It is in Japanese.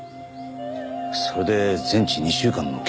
それで全治２週間の怪我を。